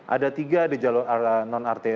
ada tiga di jalur non arteri